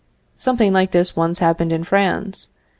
Something like this once happened in France.